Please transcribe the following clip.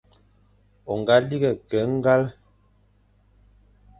O ñga lighé ke ñgale,